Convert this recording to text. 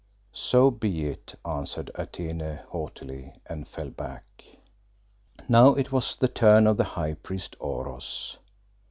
"So be it," answered Atene haughtily and fell back. Now it was the turn of the high priest Oros.